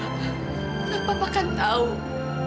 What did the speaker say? banyak sekali penipuan yang seperti itu mama